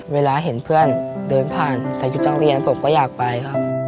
เวลาเห็นเพื่อนเดินผ่านใส่ชุดต้องเรียนผมก็อยากไปครับ